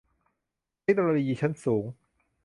เทคโนโลยีชั้นสูง